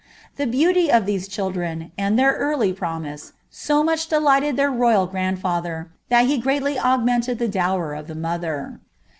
The beauty of these nhildnn> and their early promise, so much delighted their royal grandlMher, Ad ne greatly augmented the dower of Uie mother.